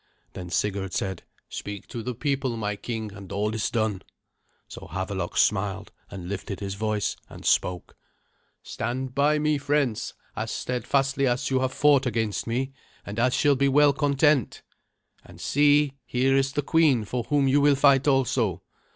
Then Sigurd said, "Speak to the people, my king, and all is done." So Havelok smiled, and lifted his voice, and spoke. "Stand by me, friends, as steadfastly as you have fought against me, and I shall be well content. And see, here is the queen for whom you will fight also.